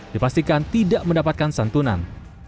dipastikan tidak mendapatkan santunan